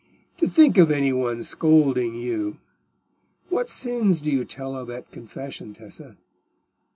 "To think of any one scolding you! What sins do you tell of at confession, Tessa?"